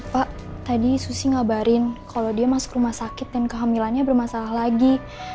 pak tadi susi ngabarin kalau dia masuk rumah sakit dan kehamilannya bermasalah lagi